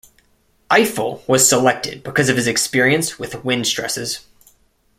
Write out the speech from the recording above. Eiffel was selected because of his experience with wind stresses.